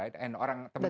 dan orang teman teman saya